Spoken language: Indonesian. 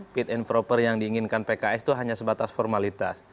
fit and proper yang diinginkan pks itu hanya sebatas formalitas